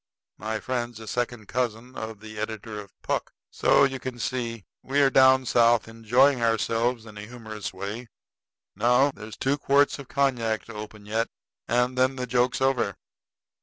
My friend's a second cousin of the editor of Puck. So you can see. We are down South enjoying ourselves in our humorous way. Now, there's two quarts of cognac to open yet, and then the joke's over."